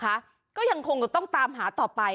ก็ยังคงจะต้องตามหาต่อไป